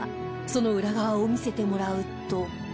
その裏側を見せてもらうと